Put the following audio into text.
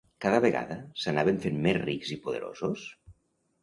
Cada vegada s'anaven fent més rics i poderosos?